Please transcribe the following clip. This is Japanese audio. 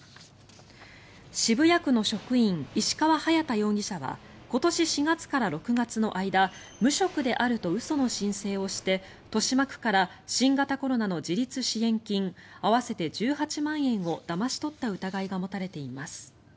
渋谷区の職員石川隼大容疑者は今年４月から６月の間無職であると嘘の申請をして豊島区から新型コロナの自立支援金合わせて１８万円をだまし取った疑いが持たれています。